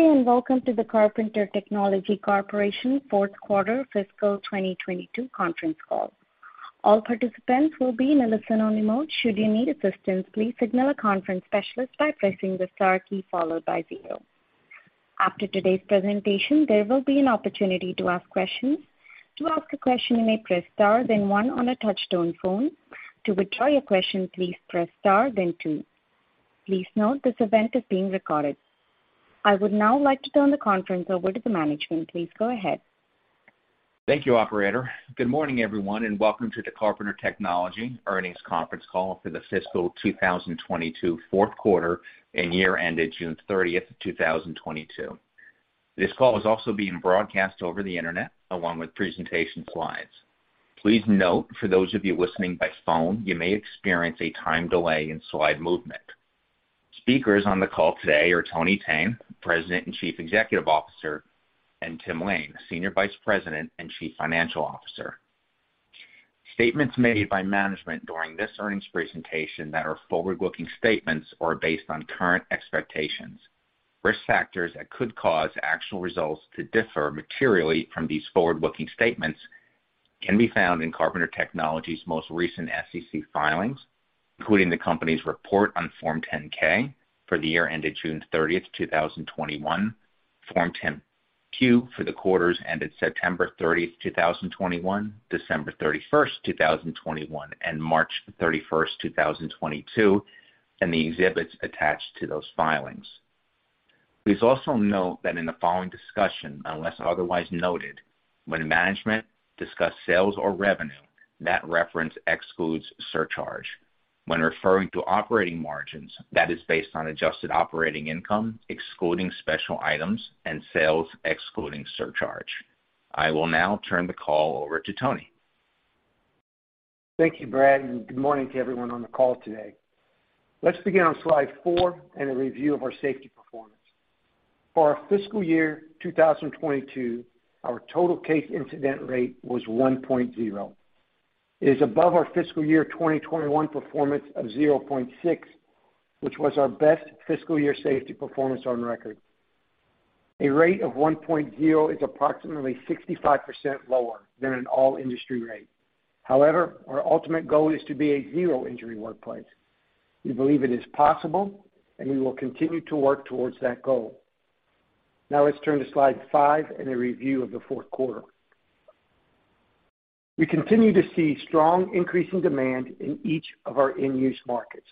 Good day, and welcome to the Carpenter Technology Corporation fourth quarter fiscal 2022 conference call. All participants will be in a listen-only mode. Should you need assistance, please signal a conference specialist by pressing the star key followed by zero. After today's presentation, there will be an opportunity to ask questions. To ask a question, you may press star then one on a touch-tone phone. To withdraw your question, please press star then two. Please note this event is being recorded. I would now like to turn the conference over to the management. Please go ahead. Thank you, operator. Good morning, everyone, and welcome to the Carpenter Technology earnings conference call for the fiscal 2022 fourth quarter and year ended June 30th, 2022. This call is also being broadcast over the internet along with presentation slides. Please note for those of you listening by phone, you may experience a time delay in slide movement. Speakers on the call today are Tony Thene, President and Chief Executive Officer, and Tim Lain, Senior Vice President and Chief Financial Officer. Statements made by management during this earnings presentation that are forward-looking statements or are based on current expectations. Risk factors that could cause actual results to differ materially from these forward-looking statements can be found in Carpenter Technology's most recent SEC filings, including the company's report on Form 10-K for the year ended June 30th, 2021, Form 10-Q for the quarters ended September 30th, 2021, December 31st, 2021, and March 31st, 2022, and the exhibits attached to those filings. Please also note that in the following discussion, unless otherwise noted, when management discuss sales or revenue, that reference excludes surcharge. When referring to operating margins, that is based on adjusted operating income, excluding special items and sales, excluding surcharge. I will now turn the call over to Tony. Thank you, Brad, and good morning to everyone on the call today. Let's begin on slide four and a review of our safety performance. For our fiscal year 2022, our total case incident rate was 1.0. It is above our fiscal year 2021 performance of 0.6, which was our best fiscal year safety performance on record. A rate of 1.0 is approximately 65% lower than an all-industry rate. However, our ultimate goal is to be a zero-injury workplace. We believe it is possible, and we will continue to work towards that goal. Now let's turn to slide five and a review of the fourth quarter. We continue to see strong increasing demand in each of our end-use markets.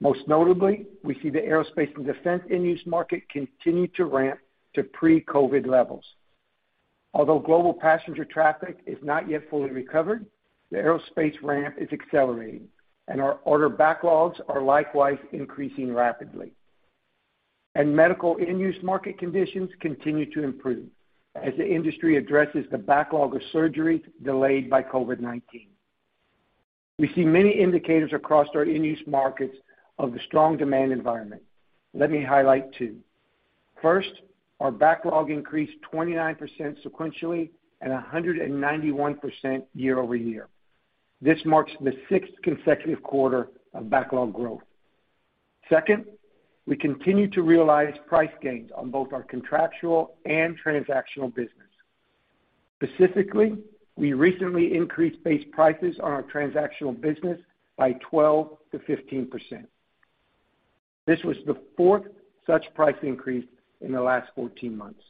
Most notably, we see the Aerospace and Defense end-use market continue to ramp to pre-COVID levels. Although global passenger traffic is not yet fully recovered, the aerospace ramp is accelerating, and our order backlogs are likewise increasing rapidly. Medical end-use market conditions continue to improve as the industry addresses the backlog of surgeries delayed by COVID-19. We see many indicators across our end-use markets of the strong demand environment. Let me highlight two. First, our backlog increased 29% sequentially and 191% year-over-year. This marks the sixth consecutive quarter of backlog growth. Second, we continue to realize price gains on both our contractual and transactional business. Specifically, we recently increased base prices on our transactional business by 12%-15%. This was the fourth such price increase in the last 14 months.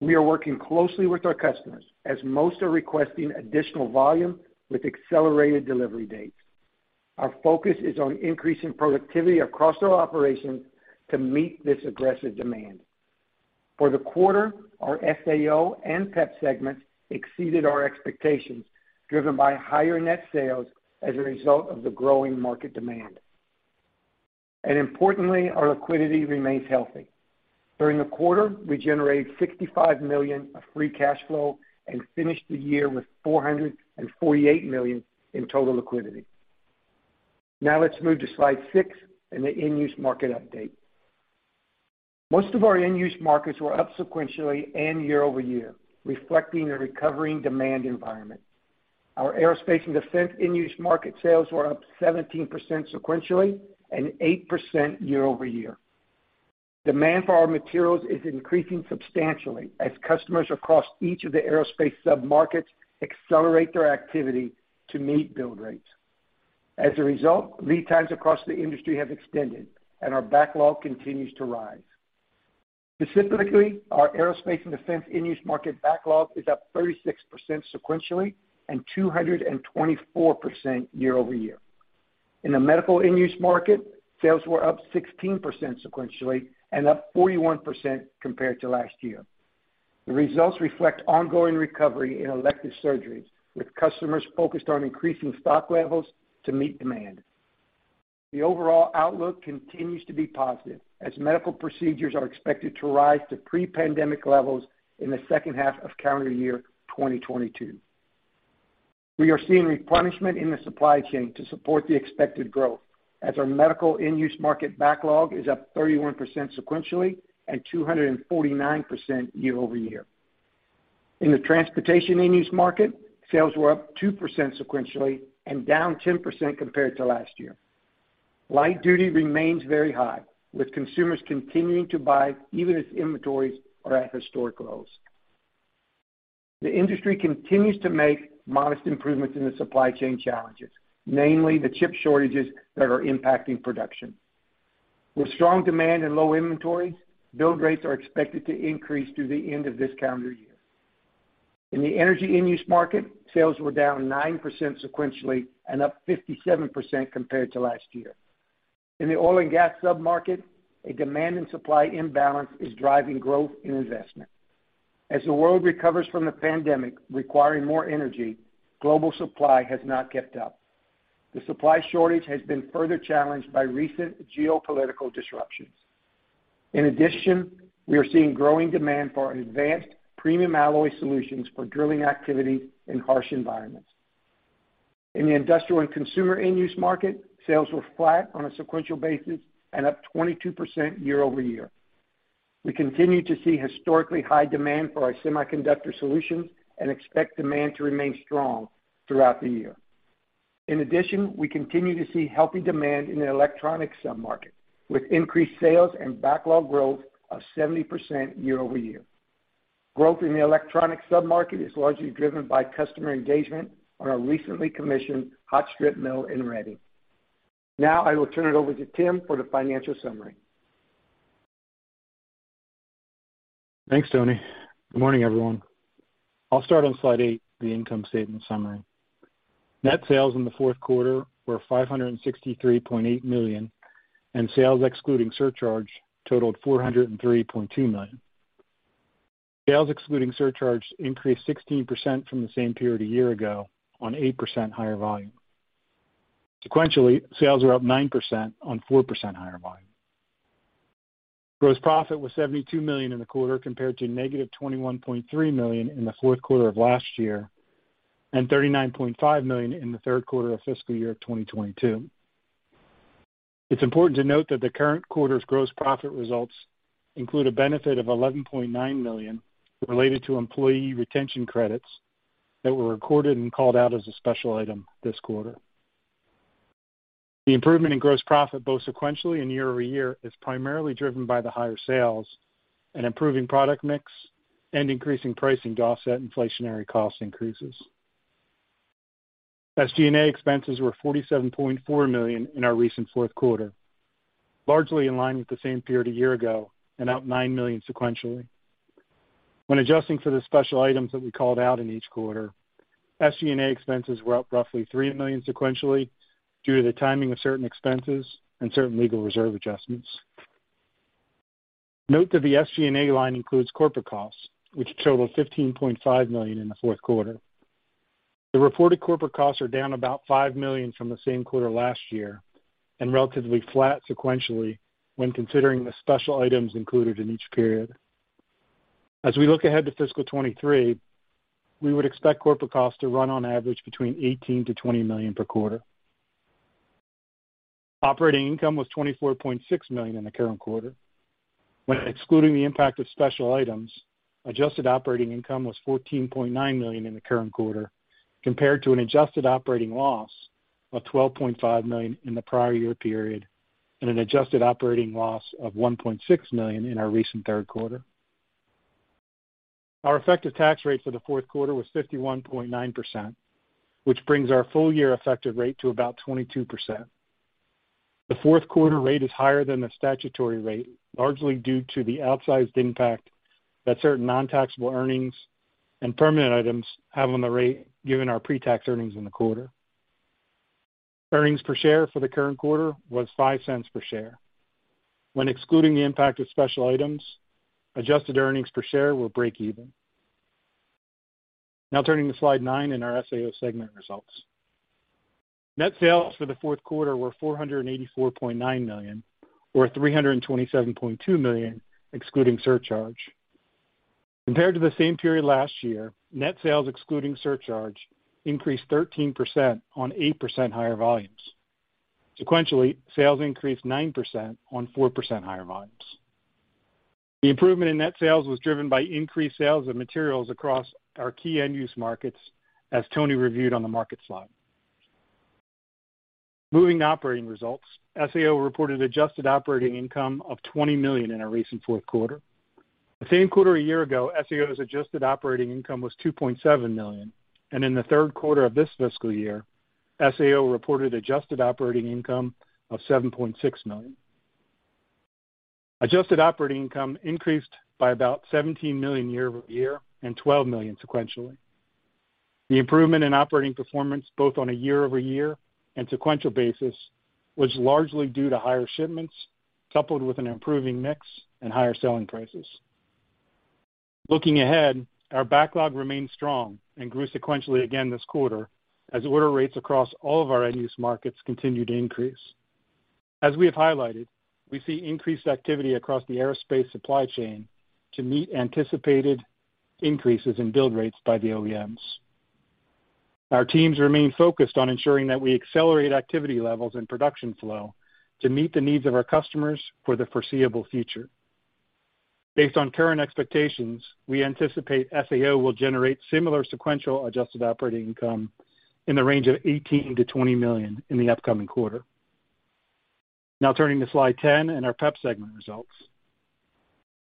We are working closely with our customers as most are requesting additional volume with accelerated delivery dates. Our focus is on increasing productivity across our operations to meet this aggressive demand. For the quarter, our SAO and PEP segments exceeded our expectations, driven by higher net sales as a result of the growing market demand. Importantly, our liquidity remains healthy. During the quarter, we generated $65 million of free cash flow and finished the year with $448 million in total liquidity. Now let's move to slide six and the end-use market update. Most of our end-use markets were up sequentially and year-over-year, reflecting a recovering demand environment. Our Aerospace and Defense end-use market sales were up 17% sequentially and 8% year-over-year. Demand for our materials is increasing substantially as customers across each of the Aerospace submarkets accelerate their activity to meet build rates. As a result, lead times across the industry have extended, and our backlog continues to rise. Specifically, our Aerospace and Defense end-use market backlog is up 36% sequentially and 224% year-over-year. In the medical end-use market, sales were up 16% sequentially and up 41% compared to last year. The results reflect ongoing recovery in elective surgeries, with customers focused on increasing stock levels to meet demand. The overall outlook continues to be positive as medical procedures are expected to rise to pre-pandemic levels in the second half of calendar year 2022. We are seeing replenishment in the supply chain to support the expected growth as our medical end-use market backlog is up 31% sequentially and 249% year-over-year. In the transportation end-use market, sales were up 2% sequentially and down 10% compared to last year. Light duty remains very high, with consumers continuing to buy even as inventories are at historic lows. The industry continues to make modest improvements in the supply chain challenges, namely the chip shortages that are impacting production. With strong demand and low inventories, build rates are expected to increase through the end of this calendar year. In the energy end-use market, sales were down 9% sequentially and up 57% compared to last year. In the oil and gas sub-market, a demand and supply imbalance is driving growth in investment. As the world recovers from the pandemic, requiring more energy, global supply has not kept up. The supply shortage has been further challenged by recent geopolitical disruptions. In addition, we are seeing growing demand for advanced premium alloy solutions for drilling activity in harsh environments. In the industrial and consumer end-use market, sales were flat on a sequential basis and up 22% year-over-year. We continue to see historically high demand for our semiconductor solutions and expect demand to remain strong throughout the year. In addition, we continue to see healthy demand in the electronic sub-market, with increased sales and backlog growth of 70% year-over-year. Growth in the electronic sub-market is largely driven by customer engagement on our recently commissioned hot strip mill in Reading. Now I will turn it over to Tim for the financial summary. Thanks, Tony. Good morning, everyone. I'll start on slide eight, the income statement summary. Net sales in the fourth quarter were $563.8 million, and sales excluding surcharge totaled $403.2 million. Sales excluding surcharge increased 16% from the same period a year ago on 8% higher volume. Sequentially, sales are up 9% on 4% higher volume. Gross profit was $72 million in the quarter compared to -$21.3 million in the fourth quarter of last year and $39.5 million in the third quarter of fiscal year 2022. It's important to note that the current quarter's gross profit results include a benefit of $11.9 million related to employee retention credit that were recorded and called out as a special item this quarter. The improvement in gross profit, both sequentially and year-over-year, is primarily driven by the higher sales and improving product mix and increasing pricing to offset inflationary cost increases. SG&A expenses were $47.4 million in our recent fourth quarter, largely in line with the same period a year ago and up $9 million sequentially. When adjusting for the special items that we called out in each quarter, SG&A expenses were up roughly $3 million sequentially due to the timing of certain expenses and certain legal reserve adjustments. Note that the SG&A line includes corporate costs, which total $15.5 million in the fourth quarter. The reported corporate costs are down about $5 million from the same quarter last year and relatively flat sequentially when considering the special items included in each period. As we look ahead to fiscal 2023, we would expect corporate costs to run on average between $18 million-$20 million per quarter. Operating income was $24.6 million in the current quarter. When excluding the impact of special items, adjusted operating income was $14.9 million in the current quarter compared to an adjusted operating loss of $12.5 million in the prior year period and an adjusted operating loss of $1.6 million in our recent third quarter. Our effective tax rate for the fourth quarter was 51.9%, which brings our full year effective rate to about 22%. The fourth quarter rate is higher than the statutory rate, largely due to the outsized impact that certain non-taxable earnings and permanent items have on the rate given our pre-tax earnings in the quarter. Earnings per share for the current quarter was $0.05 per share. When excluding the impact of special items, adjusted earnings per share were break even. Now turning to slide nine in our SAO segment results. Net sales for the fourth quarter were $484.9 million, or $327.2 million, excluding surcharge. Compared to the same period last year, net sales excluding surcharge increased 13% on 8% higher volumes. Sequentially, sales increased 9% on 4% higher volumes. The improvement in net sales was driven by increased sales of materials across our key end-use markets, as Tony reviewed on the market slide. Moving to operating results. SAO reported adjusted operating income of $20 million in our recent fourth quarter. The same quarter a year ago, SAO's adjusted operating income was $2.7 million, and in the third quarter of this fiscal year, SAO reported adjusted operating income of $7.6 million. Adjusted operating income increased by about $17 million year-over-year and $12 million sequentially. The improvement in operating performance, both on a year-over-year and sequential basis, was largely due to higher shipments coupled with an improving mix and higher selling prices. Looking ahead, our backlog remains strong and grew sequentially again this quarter as order rates across all of our end-use markets continue to increase. As we have highlighted, we see increased activity across the aerospace supply chain to meet anticipated increases in build rates by the OEMs. Our teams remain focused on ensuring that we accelerate activity levels and production flow to meet the needs of our customers for the foreseeable future. Based on current expectations, we anticipate SAO will generate similar sequential adjusted operating income in the range of $18 million-$20 million in the upcoming quarter. Now turning to slide 10 and our PEP segment results.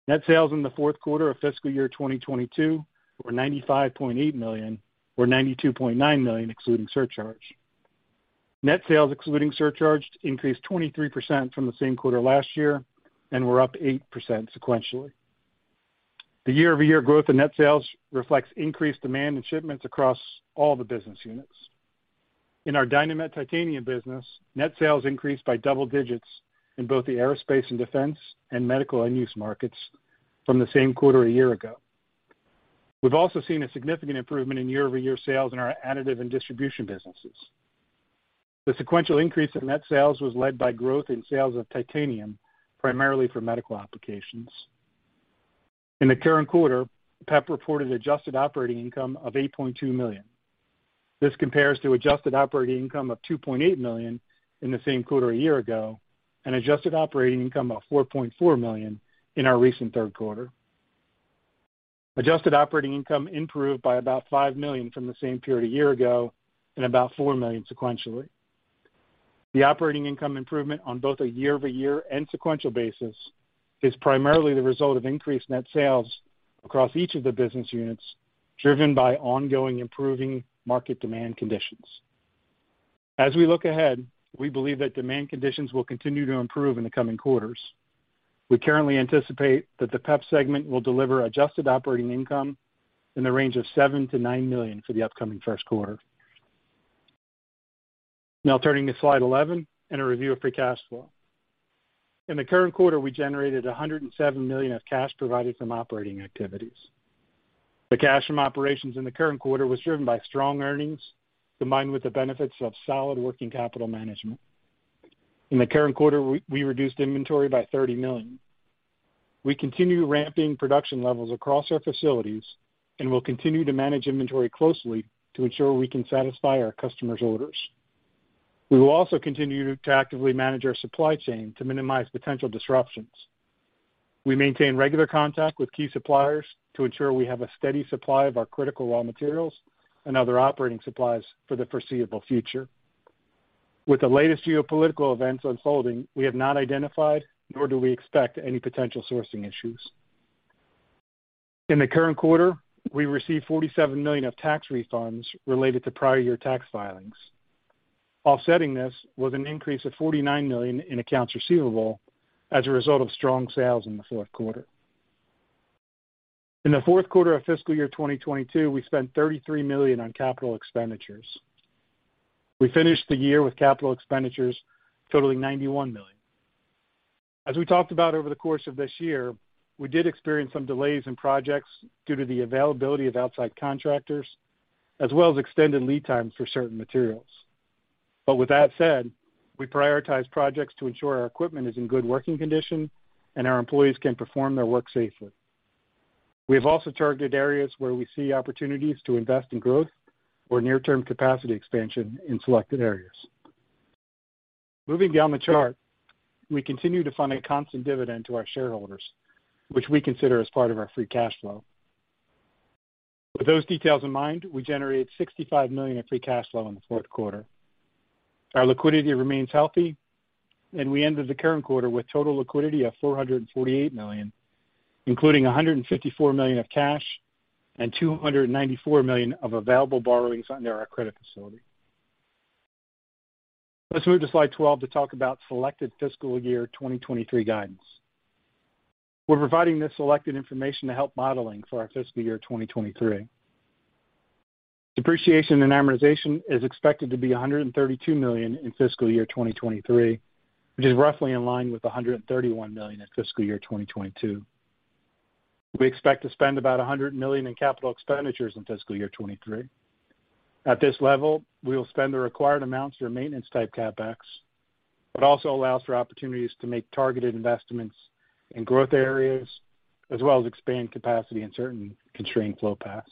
Net sales in the fourth quarter of fiscal year 2022 were $95.8 million, or $92.9 million, excluding surcharge. Net sales excluding surcharge increased 23% from the same quarter last year and were up 8% sequentially. The year-over-year growth in net sales reflects increased demand in shipments across all the business units. In our Dynamet Titanium business, net sales increased by double digits in both the Aerospace and Defense, and Medical end-use markets from the same quarter a year ago. We've also seen a significant improvement in year-over-year sales in our additive and distribution businesses. The sequential increase in net sales was led by growth in sales of titanium, primarily for medical applications. In the current quarter, PEP reported adjusted operating income of $8.2 million. This compares to adjusted operating income of $2.8 million in the same quarter a year ago, and adjusted operating income of $4.4 million in our recent third quarter. Adjusted operating income improved by about $5 million from the same period a year ago and about $4 million sequentially. The operating income improvement on both a year-over-year and sequential basis is primarily the result of increased net sales across each of the business units, driven by ongoing improving market demand conditions. As we look ahead, we believe that demand conditions will continue to improve in the coming quarters. We currently anticipate that the PEP segment will deliver adjusted operating income in the range of $7 million-$9 million for the upcoming first quarter. Now turning to slide 11 and a review of free cash flow. In the current quarter, we generated $107 million of cash provided from operating activities. The cash from operations in the current quarter was driven by strong earnings, combined with the benefits of solid working capital management. In the current quarter, we reduced inventory by $30 million. We continue ramping production levels across our facilities and will continue to manage inventory closely to ensure we can satisfy our customers' orders. We will also continue to actively manage our supply chain to minimize potential disruptions. We maintain regular contact with key suppliers to ensure we have a steady supply of our critical raw materials and other operating supplies for the foreseeable future. With the latest geopolitical events unfolding, we have not identified, nor do we expect any potential sourcing issues. In the current quarter, we received $47 million of tax refunds related to prior year tax filings. Offsetting this was an increase of $49 million in accounts receivable as a result of strong sales in the fourth quarter. In the fourth quarter of fiscal year 2022, we spent $33 million on capital expenditures. We finished the year with capital expenditures totaling $91 million. As we talked about over the course of this year, we did experience some delays in projects due to the availability of outside contractors, as well as extended lead times for certain materials. With that said, we prioritize projects to ensure our equipment is in good working condition and our employees can perform their work safely. We have also targeted areas where we see opportunities to invest in growth or near-term capacity expansion in selected areas. Moving down the chart, we continue to fund a constant dividend to our shareholders, which we consider as part of our free cash flow. With those details in mind, we generated $65 million of free cash flow in the fourth quarter. Our liquidity remains healthy, and we ended the current quarter with total liquidity of $448 million, including $154 million of cash and $294 million of available borrowings under our credit facility. Let's move to slide 12 to talk about selected fiscal year 2023 guidance. We're providing this selected information to help modeling for our fiscal year 2023. Depreciation and amortization is expected to be $132 million in fiscal year 2023, which is roughly in line with $131 million in fiscal year 2022. We expect to spend about $100 million in capital expenditures in fiscal year 2023. At this level, we will spend the required amounts for maintenance type CapEx, but also allows for opportunities to make targeted investments in growth areas, as well as expand capacity in certain constrained flow paths.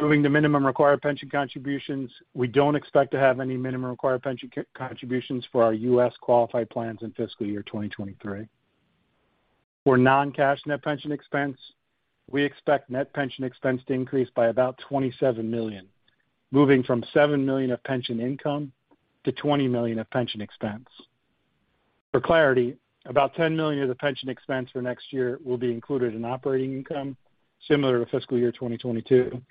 Moving to minimum required pension contributions, we don't expect to have any minimum required pension co-contributions for our U.S. qualified plans in fiscal year 2023. For non-cash net pension expense, we expect net pension expense to increase by about $27 million, moving from $7 million of pension income to $20 million of pension expense. For clarity, about $10 million of the pension expense for next year will be included in operating income, similar to fiscal year 2022.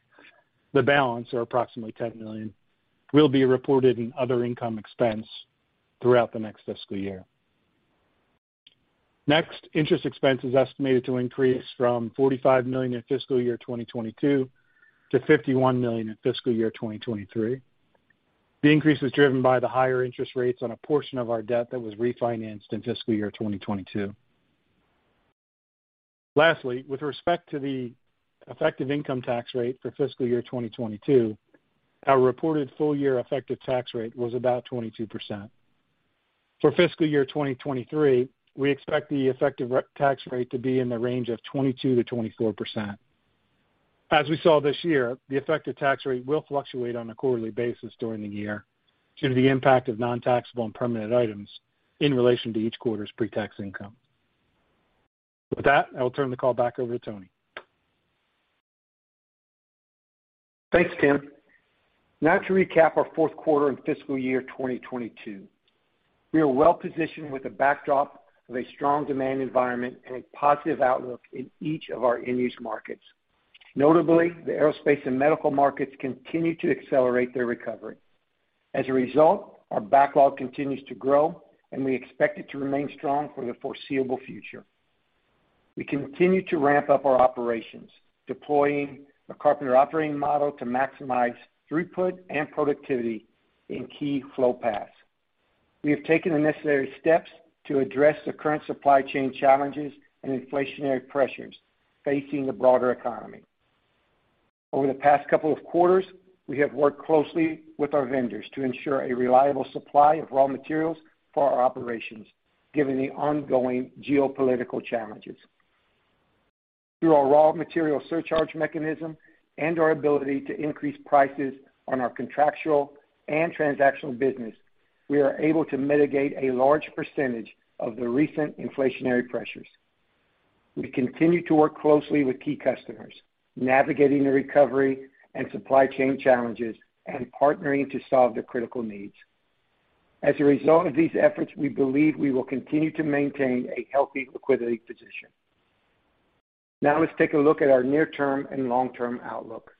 The balance, or approximately $10 million, will be reported in other income expense throughout the next fiscal year. Next, interest expense is estimated to increase from $45 million in fiscal year 2022 to $51 million in fiscal year 2023. The increase was driven by the higher interest rates on a portion of our debt that was refinanced in fiscal year 2022. Lastly, with respect to the effective income tax rate for fiscal year 2022, our reported full year effective tax rate was about 22%. For fiscal year 2023, we expect the effective tax rate to be in the range of 22%-24%. As we saw this year, the effective tax rate will fluctuate on a quarterly basis during the year due to the impact of non-taxable and permanent items in relation to each quarter's pre-tax income. With that, I will turn the call back over to Tony. Thanks, Tim. Now to recap our fourth quarter and fiscal year 2022. We are well-positioned with the backdrop of a strong demand environment and a positive outlook in each of our end-use markets. Notably, the Aerospace and Medical markets continue to accelerate their recovery. As a result, our backlog continues to grow, and we expect it to remain strong for the foreseeable future. We continue to ramp up our operations, deploying a Carpenter Operating model to maximize throughput and productivity in key flow paths. We have taken the necessary steps to address the current supply chain challenges and inflationary pressures facing the broader economy. Over the past couple of quarters, we have worked closely with our vendors to ensure a reliable supply of raw materials for our operations, given the ongoing geopolitical challenges. Through our raw material surcharge mechanism and our ability to increase prices on our contractual and transactional business, we are able to mitigate a large percentage of the recent inflationary pressures. We continue to work closely with key customers, navigating the recovery and supply chain challenges and partnering to solve their critical needs. As a result of these efforts, we believe we will continue to maintain a healthy liquidity position. Now let's take a look at our near term and long-term outlook.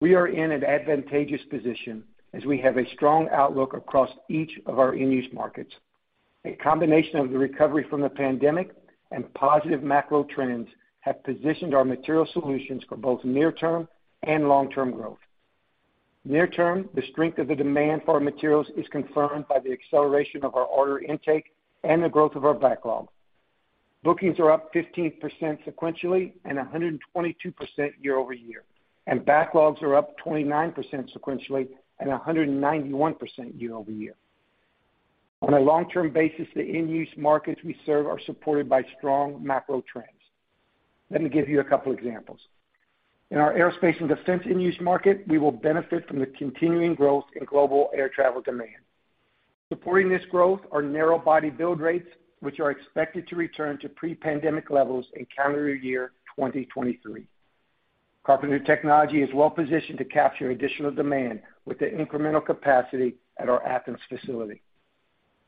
We are in an advantageous position as we have a strong outlook across each of our end-use markets. A combination of the recovery from the pandemic and positive macro trends have positioned our material solutions for both near-term and long-term growth. Near term, the strength of the demand for our materials is confirmed by the acceleration of our order intake and the growth of our backlog. Bookings are up 15% sequentially and 122% year-over-year, and backlogs are up 29% sequentially and 191% year-over-year. On a long-term basis, the end-use markets we serve are supported by strong macro trends. Let me give you a couple examples. In our Aerospace and Defense end-use market, we will benefit from the continuing growth in global air travel demand. Supporting this growth are narrow-body build rates, which are expected to return to pre-pandemic levels in calendar year 2023. Carpenter Technology is well positioned to capture additional demand with the incremental capacity at our Athens facility.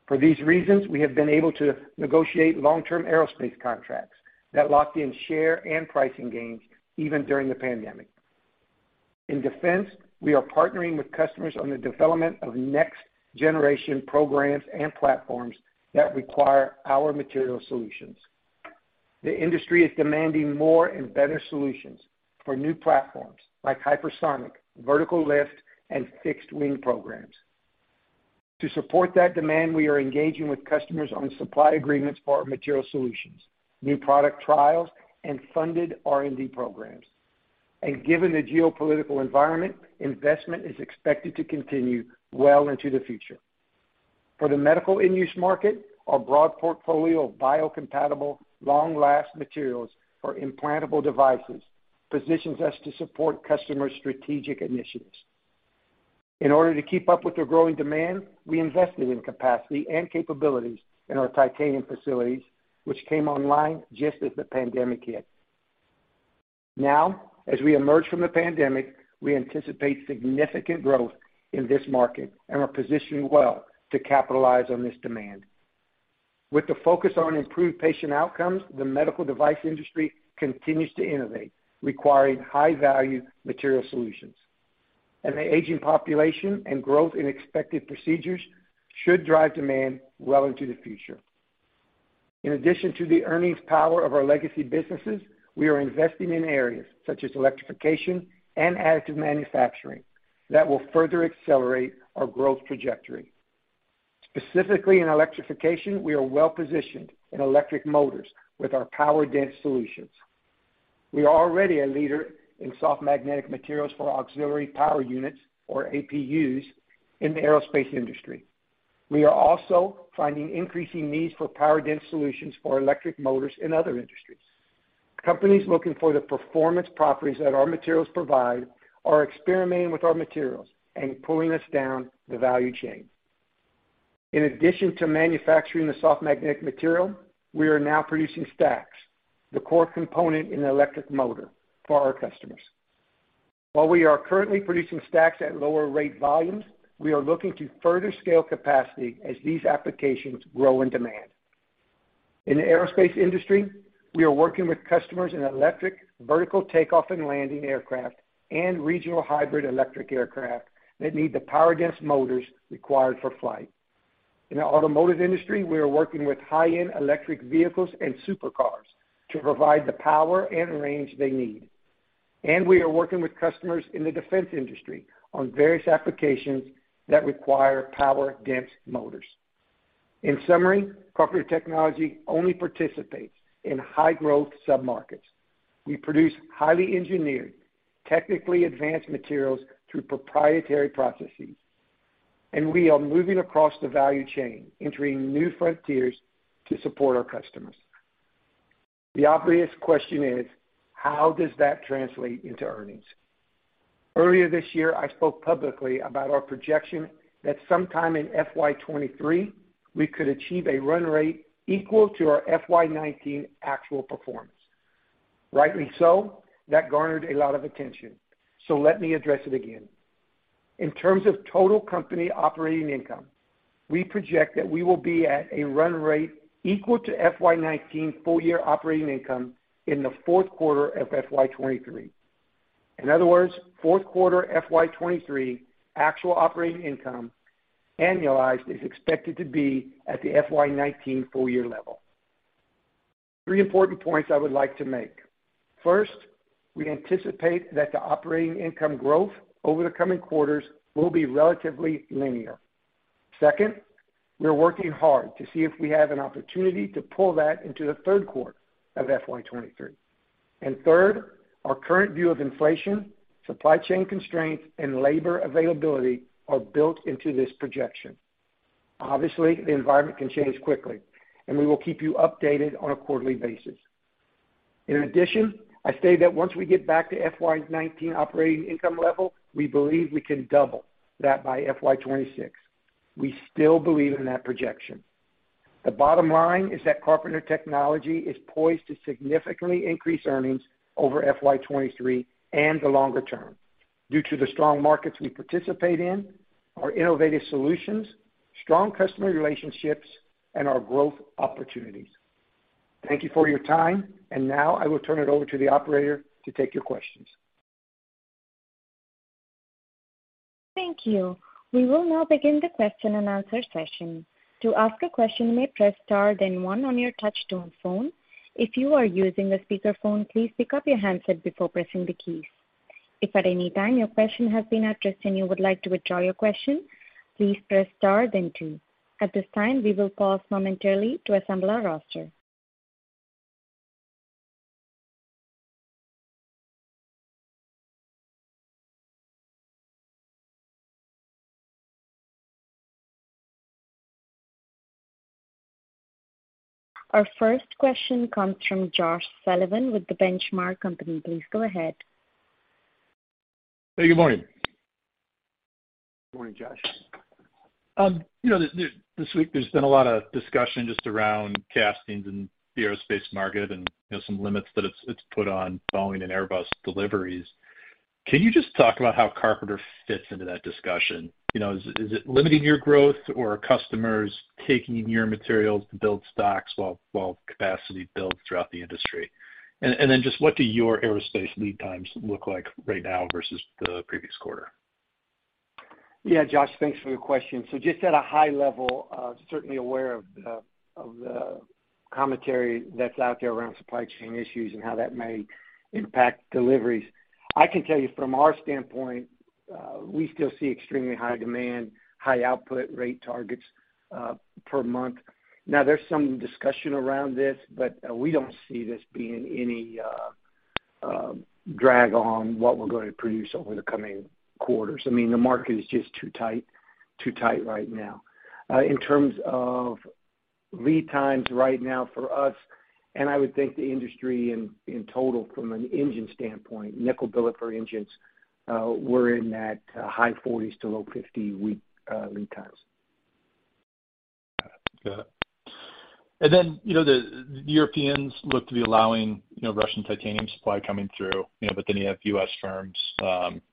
For these reasons, we have been able to negotiate long-term aerospace contracts that lock in share and pricing gains even during the pandemic. In defense, we are partnering with customers on the development of next generation programs and platforms that require our material solutions. The industry is demanding more and better solutions for new platforms like hypersonic, vertical lift, and fixed wing programs. To support that demand, we are engaging with customers on supply agreements for our material solutions, new product trials, and funded R&D programs. Given the geopolitical environment, investment is expected to continue well into the future. For the Medical end-use market, our broad portfolio of biocompatible, long-last materials for implantable devices positions us to support customers' strategic initiatives. In order to keep up with the growing demand, we invested in capacity and capabilities in our titanium facilities, which came online just as the pandemic hit. Now, as we emerge from the pandemic, we anticipate significant growth in this market and are positioned well to capitalize on this demand. With the focus on improved patient outcomes, the medical device industry continues to innovate, requiring high-value material solutions. The aging population and growth in expected procedures should drive demand well into the future. In addition to the earnings power of our legacy businesses, we are investing in areas such as electrification and additive manufacturing that will further accelerate our growth trajectory. Specifically in electrification, we are well-positioned in electric motors with our power-dense solutions. We are already a leader in soft magnetic materials for auxiliary power units, or APUs, in the Aerospace industry. We are also finding increasing needs for power-dense solutions for electric motors in other industries. Companies looking for the performance properties that our materials provide are experimenting with our materials and pulling us down the value chain. In addition to manufacturing the soft magnetic material, we are now producing stacks, the core component in the electric motor for our customers. While we are currently producing stacks at lower rate volumes, we are looking to further scale capacity as these applications grow in demand. In the Aerospace industry, we are working with customers in electric vertical takeoff and landing aircraft and regional hybrid electric aircraft that need the power-dense motors required for flight. In the automotive industry, we are working with high-end electric vehicles and supercars to provide the power and range they need. We are working with customers in the defense industry on various applications that require power-dense motors. In summary, Carpenter Technology only participates in high growth submarkets. We produce highly engineered, technically advanced materials through proprietary processes. We are moving across the value chain, entering new frontiers to support our customers. The obvious question is: how does that translate into earnings? Earlier this year, I spoke publicly about our projection that sometime in FY 2023, we could achieve a run rate equal to our FY 2019 actual performance. Rightly so, that garnered a lot of attention, so let me address it again. In terms of total company operating income, we project that we will be at a run rate equal to FY 2019 full year operating income in the fourth quarter of FY 2023. In other words, fourth quarter FY 2023 actual operating income annualized is expected to be at the FY 2019 full year level. Three important points I would like to make. First, we anticipate that the operating income growth over the coming quarters will be relatively linear. Second, we're working hard to see if we have an opportunity to pull that into the third quarter of FY 2023. Third, our current view of inflation, supply chain constraints, and labor availability are built into this projection. Obviously, the environment can change quickly, and we will keep you updated on a quarterly basis. In addition, I say that once we get back to FY 2019 operating income level, we believe we can double that by FY 2026. We still believe in that projection. The bottom line is that Carpenter Technology is poised to significantly increase earnings over FY 2023 and the longer term due to the strong markets we participate in, our innovative solutions, strong customer relationships, and our growth opportunities. Thank you for your time. Now I will turn it over to the operator to take your questions. Thank you. We will now begin the question and answer session. To ask a question, you may press star then one on your touchtone phone. If you are using a speakerphone, please pick up your handset before pressing the keys. If at any time your question has been addressed and you would like to withdraw your question, please press star then two. At this time, we will pause momentarily to assemble our roster. Our first question comes from Josh Sullivan with The Benchmark Company. Please go ahead. Hey, good morning. Good morning, Josh. This week there's been a lot of discussion just around castings and the Aerospace market and, you know, some limits that it's put on Boeing and Airbus deliveries. Can you just talk about how Carpenter fits into that discussion? You know, is it limiting your growth or are customers taking your materials to build stocks while capacity builds throughout the industry? What do your aerospace lead times look like right now versus the previous quarter? Yeah, Josh, thanks for your question. Just at a high level, certainly aware of the commentary that's out there around supply chain issues and how that may impact deliveries. I can tell you from our standpoint, we still see extremely high demand, high output rate targets per month. Now there's some discussion around this, but we don't see this being any drag on what we're gonna produce over the coming quarters. I mean, the market is just too tight right now. In terms of lead times right now for us, and I would think the industry in total from an engine standpoint, nickel billet for engines, we're in that high 40s to low 50s week lead times. Got it. You know, the Europeans look to be allowing, you know, Russian titanium supply coming through, you know, but then you have U.S. firms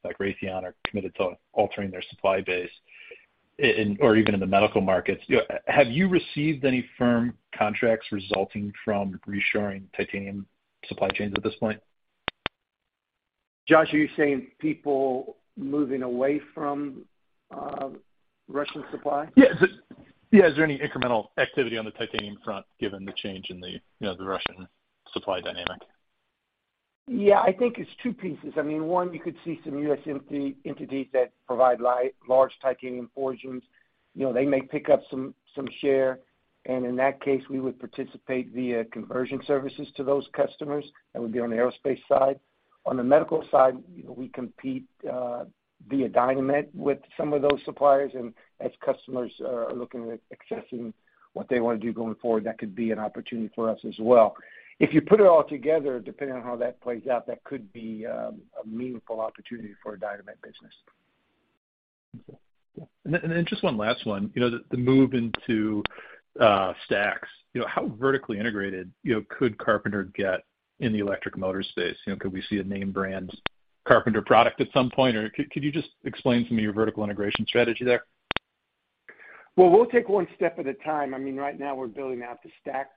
like Raytheon are committed to altering their supply base in or even in the Medical markets. You know, have you received any firm contracts resulting from reshoring titanium supply chains at this point? Josh, are you saying people moving away from, Russian supply? Is there any incremental activity on the titanium front given the change in the, you know, the Russian supply dynamic? Yeah. I think it's two pieces. I mean, one, you could see some U.S. entity, entities that provide large titanium forgings. You know, they may pick up some share, and in that case, we would participate via conversion services to those customers. That would be on the Aerospace side. On the Medical side, you know, we compete via Dynamet with some of those suppliers. As customers are looking at assessing what they wanna do going forward, that could be an opportunity for us as well. If you put it all together, depending on how that plays out, that could be a meaningful opportunity for our Dynamet business. Just one last one. You know, the move into stacks, you know, how vertically integrated could Carpenter get in the electric motor space? You know, could we see a name brand Carpenter product at some point? Or could you just explain some of your vertical integration strategy there? Well, we'll take one step at a time. I mean, right now we're building out the stack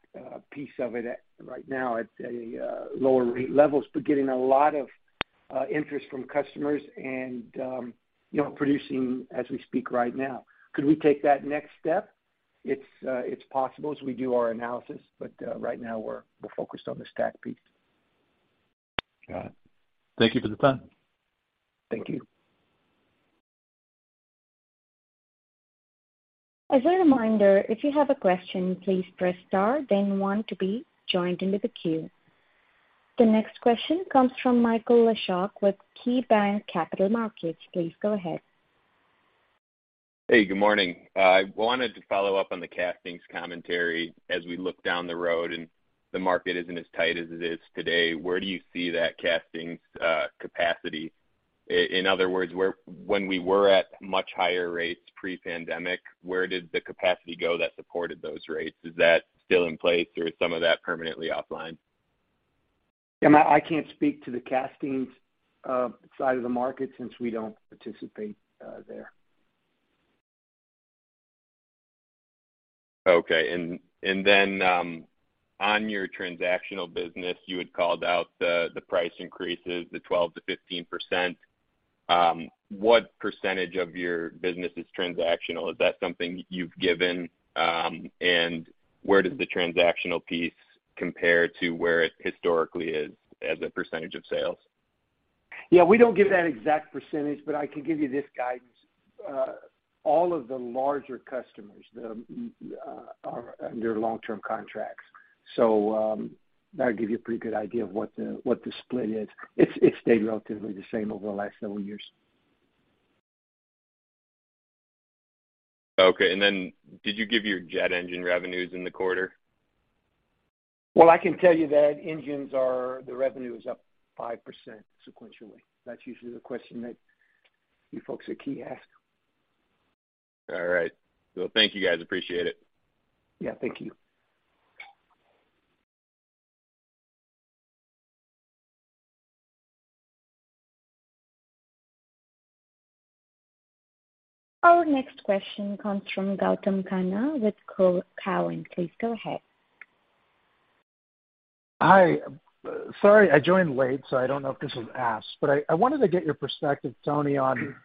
piece of it at a lower rate levels, but getting a lot of interest from customers and you know, producing as we speak right now. Could we take that next step? It's possible as we do our analysis, but right now we're focused on the stack piece. Got it. Thank you for the time. Thank you. As a reminder, if you have a question, please press star then one to be joined into the queue. The next question comes from Michael Leshock with KeyBanc Capital Markets. Please go ahead. Hey, good morning. I wanted to follow up on the castings commentary as we look down the road, and the market isn't as tight as it is today. Where do you see that castings capacity? In other words, where, when we were at much higher rates pre-pandemic, where did the capacity go that supported those rates? Is that still in place or is some of that permanently offline? Yeah, I can't speak to the castings side of the market since we don't participate there. On your transactional business, you had called out the price increases, the 12%-15%. What percentage of your business is transactional? Is that something you've given? Where does the transactional piece compare to where it historically is as a percentage of sales? Yeah, we don't give that exact percentage, but I can give you this guidance. All of the larger customers are under long-term contracts, so that'll give you a pretty good idea of what the split is. It's stayed relatively the same over the last several years. Okay. Did you give your jet engine revenues in the quarter? Well, I can tell you that the revenue is up 5% sequentially. That's usually the question that you folks at KeyBanc ask. All right. Well, thank you, guys. Appreciate it. Yeah. Thank you. Our next question comes from Gautam Khanna with Cowen. Please go ahead. Hi. Sorry, I joined late, so I don't know if this was asked, but I wanted to get your perspective, Tony, on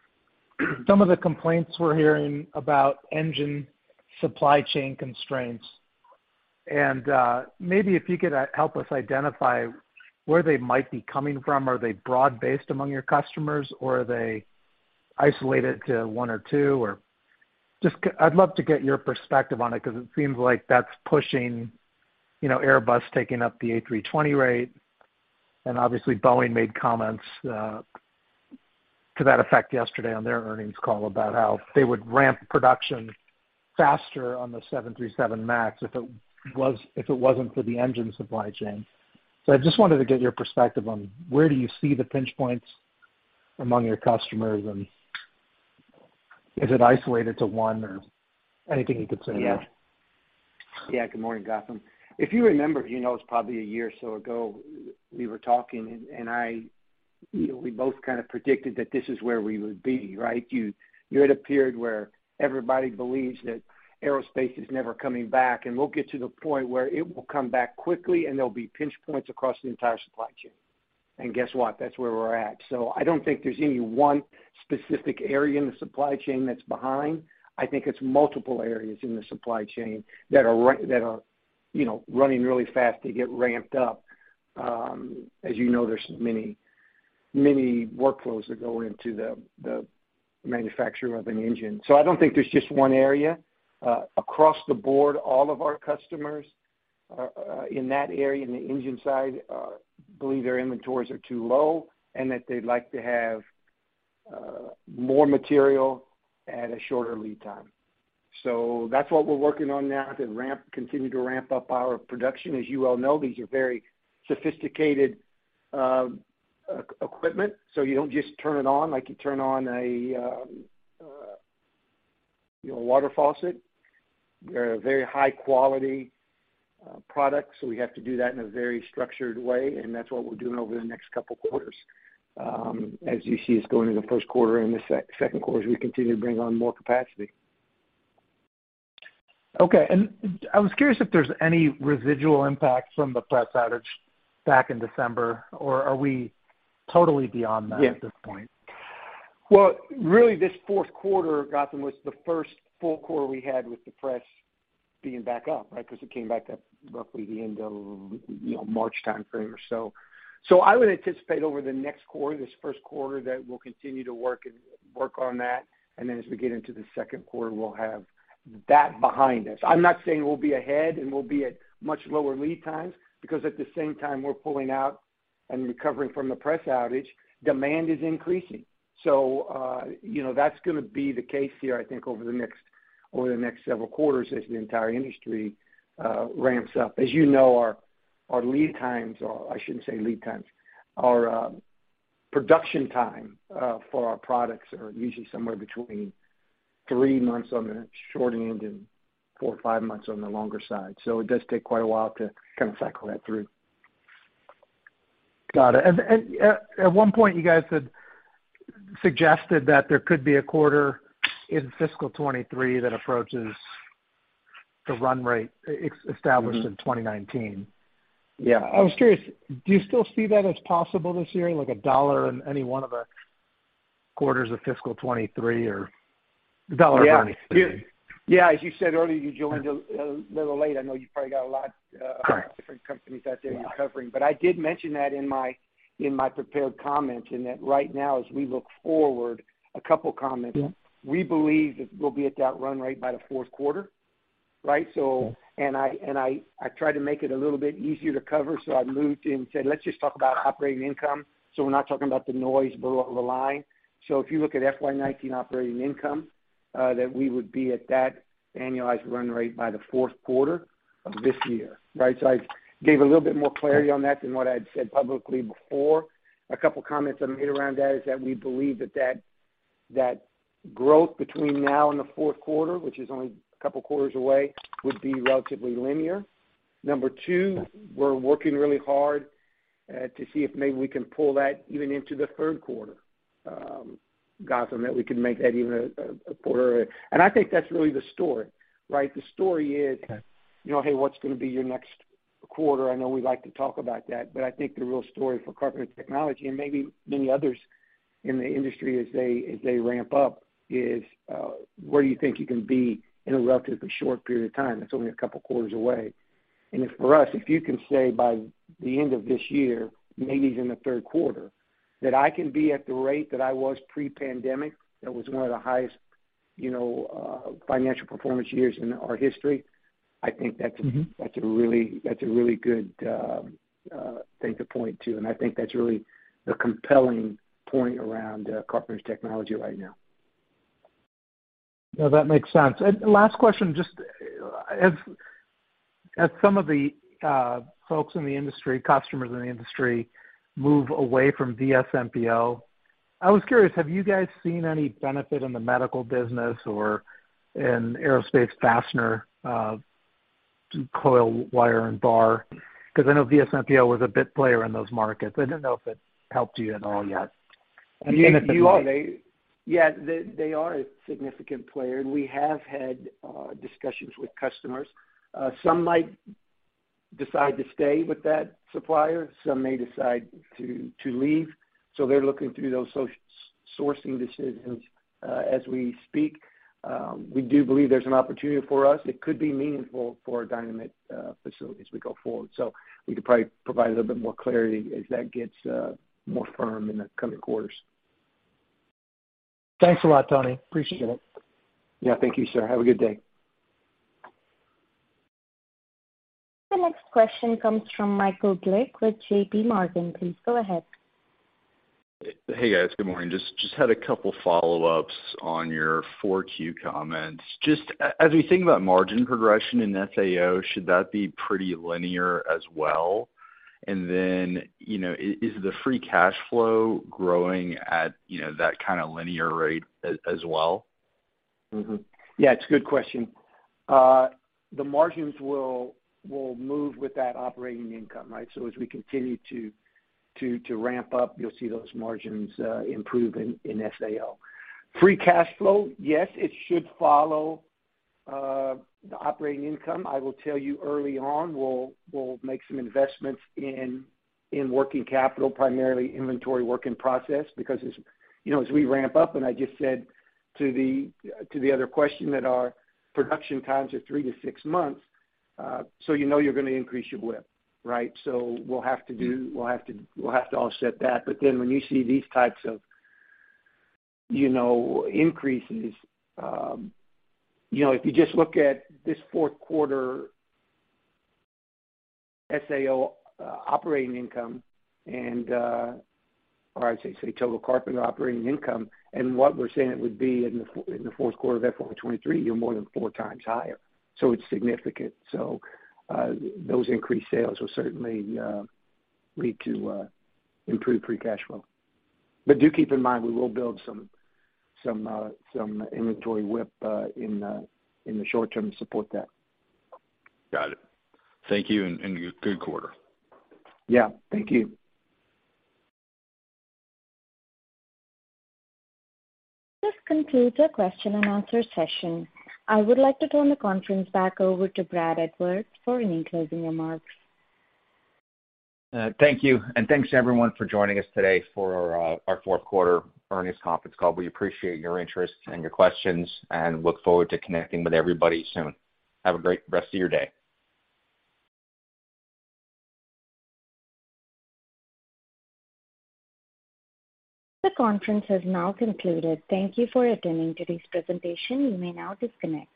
some of the complaints we're hearing about engine supply chain constraints. Maybe if you could help us identify where they might be coming from. Are they broad-based among your customers, or are they isolated to one or two? I'd love to get your perspective on it because it seems like that's pushing, you know, Airbus taking up the A320 rate. Obviously Boeing made comments to that effect yesterday on their earnings call about how they would ramp production faster on the 737 MAX if it wasn't for the engine supply chain. I just wanted to get your perspective on where do you see the pinch points among your customers, and is it isolated to one or anything you could say more? Yeah. Good morning, Gautam. If you remember, you know, it's probably a year or so ago we were talking, and I, you know, we both kind of predicted that this is where we would be, right? You had a period where everybody believes that aerospace is never coming back, and we'll get to the point where it will come back quickly and there'll be pinch points across the entire supply chain. Guess what? That's where we're at. I don't think there's any one specific area in the supply chain that's behind. I think it's multiple areas in the supply chain that are, you know, running really fast to get ramped up. As you know, there's many workflows that go into the manufacturing of an engine. I don't think there's just one area. Across the board, all of our customers in that area, in the engine side, believe their inventories are too low and that they'd like to have more material at a shorter lead time. That's what we're working on now to continue to ramp up our production. As you well know, these are very sophisticated equipment, so you don't just turn it on like you turn on, you know, a water faucet. They're a very high-quality product, so we have to do that in a very structured way, and that's what we're doing over the next couple quarters as you see us going into the first quarter and the second quarter as we continue to bring on more capacity. Okay. I was curious if there's any residual impact from the press outage back in December, or are we totally beyond that at this point? Yeah. Well, really this fourth quarter, Gautam, was the first full quarter we had with the press being back up, right? Because it came back up roughly the end of, you know, March timeframe or so. I would anticipate over the next quarter, this first quarter, that we'll continue to work on that. Then as we get into the second quarter, we'll have that behind us. I'm not saying we'll be ahead and we'll be at much lower lead times because at the same time we're pulling out and recovering from the press outage, demand is increasing. You know, that's gonna be the case here, I think, over the next several quarters as the entire industry ramps up. As you know, our lead times are. I shouldn't say lead times. Our production time for our products are usually somewhere between three months on the short end and four or five months on the longer side. It does take quite a while to kind of cycle that through. Got it. At one point, you guys had suggested that there could be a quarter in fiscal 2023 that approaches the run rate established in 2019. Mm-hmm. Yeah. I was curious, do you still see that as possible this year, like $1 in any one of the quarters of fiscal 2023 or is that already. Yeah. As you said earlier, you joined a little late. I know you probably got a lot, Correct. Different companies out there you're covering. I did mention that in my prepared comments, and that right now, as we look forward, a couple comments. Yeah. We believe that we'll be at that run rate by the fourth quarter, right? I try to make it a little bit easier to cover, so I moved and said, "Let's just talk about operating income," so we're not talking about the noise below the line. If you look at FY 2019 operating income, that we would be at that annualized run rate by the fourth quarter of this year, right? I gave a little bit more clarity on that than what I'd said publicly before. A couple comments I made around that is that we believe that growth between now and the fourth quarter, which is only a couple quarters away, would be relatively linear. Number two, we're working really hard to see if maybe we can pull that even into the third quarter, Gautam, that we can make that even a quarter early. I think that's really the story, right? The story is. Okay. you know, hey, what's gonna be your next quarter? I know we like to talk about that, but I think the real story for Carpenter Technology and maybe many others in the industry as they ramp up is where you think you can be in a relatively short period of time. It's only a couple quarters away. If for us, if you can say by the end of this year, maybe it's in the third quarter, that I can be at the rate that I was pre-pandemic, that was one of the highest, you know, financial performance years in our history. I think that's. Mm-hmm. That's a really good thing to point to, and I think that's really the compelling point around Carpenter Technology right now. No, that makes sense. Last question, just as some of the folks in the industry, customers in the industry move away from VSMPO-AVISMA, I was curious, have you guys seen any benefit in the Medical business or in Aerospace fastener, coil wire and bar? Because I know VSMPO-AVISMA was a bit player in those markets. I didn't know if it helped you at all yet. I mean, they are. Yeah, they are a significant player, and we have had discussions with customers. Some might decide to stay with that supplier. Some may decide to leave. They're looking through those sourcing decisions as we speak. We do believe there's an opportunity for us. It could be meaningful for our Dynamet facility as we go forward. We could probably provide a little bit more clarity as that gets more firm in the coming quarters. Thanks a lot, Tony. Appreciate it. Yeah, thank you, sir. Have a good day. The next question comes from Michael Glick with JPMorgan. Please go ahead. Hey, guys. Good morning. Just had a couple follow-ups on your 4Q comments. Just as we think about margin progression in SAO, should that be pretty linear as well? Then, you know, is the free cash flow growing at, you know, that kind of linear rate as well? Yeah, it's a good question. The margins will move with that operating income, right? As we continue to ramp up, you'll see those margins improve in SAO. Free cash flow, yes, it should follow the operating income. I will tell you early on, we'll make some investments in working capital, primarily inventory work in process, because as you know, as we ramp up, and I just said to the other question that our production times are three to six months, so you know you're gonna increase your WIP, right? We'll have to offset that. When you see these types of, you know, increases, you know, if you just look at this fourth quarter SAO, operating income and, or I'd say total Carpenter operating income and what we're saying it would be in the fourth quarter of FY 2023, you're more than 4x higher. It's significant. Those increased sales will certainly lead to improved free cash flow. Do keep in mind, we will build some inventory WIP in the short term to support that. Got it. Thank you, and good quarter. Yeah, thank you. This concludes our question and answer session. I would like to turn the conference back over to Brad Edwards for any closing remarks. Thank you, and thanks everyone for joining us today for our fourth quarter earnings conference call. We appreciate your interest and your questions and look forward to connecting with everybody soon. Have a great rest of your day. The conference has now concluded. Thank you for attending today's presentation. You may now disconnect.